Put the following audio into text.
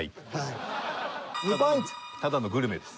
ただのグルメです。